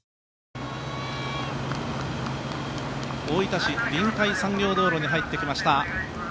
大分市臨海産業道路に入ってきました。